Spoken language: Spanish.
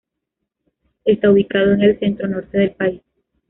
Está ubicado en el centronorte del país.